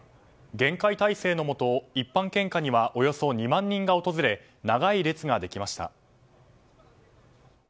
厳戒態勢のもと一般献花にはおよそ２万人が訪れ長い列ができました。